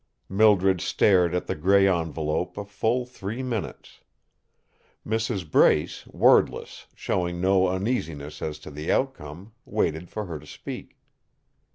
Mildred stared at the grey envelope a full three minutes. Mrs. Brace, wordless, showing no uneasiness as to the outcome, waited for her to speak.